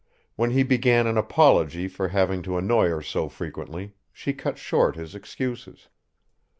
When he began an apology for having to annoy her so frequently, she cut short his excuses.